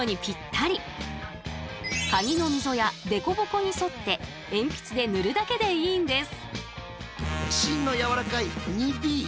カギの溝や凸凹に沿って鉛筆で塗るだけでいいんです。